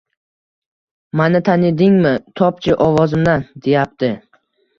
Mani tanidingmi? Topchi ovozimdan" deyapti.